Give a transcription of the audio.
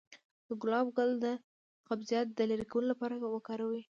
د ګلاب ګل د قبضیت د لرې کولو لپاره وکاروئ